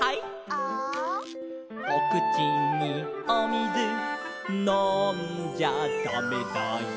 「ア」「おくちにおみずのんじゃだめだよ」